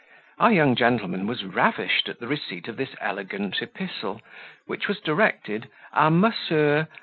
Our young gentleman was ravished at the receipt of this elegant epistle, which was directed, A Monsr.